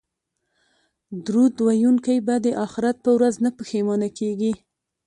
درود ویونکی به د اخرت په ورځ نه پښیمانه کیږي